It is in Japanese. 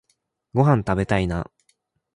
ごはんたべたいな